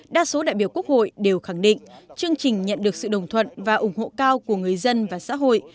đa số đại biểu quốc hội đều khẳng định chương trình nhận được sự đồng thuận và ủng hộ cao của người dân và xã hội